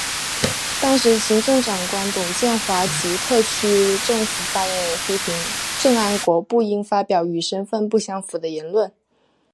当时行政长官董建华及特区政府发言人批评郑安国不应发表和身份不相符的言论。